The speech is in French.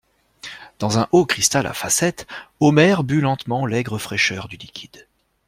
Dans un haut cristal à facettes, Omer but lentement l'aigre fraîcheur du liquide.